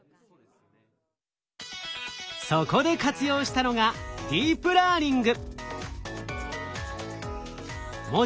そこで活用したのがディープラーニング！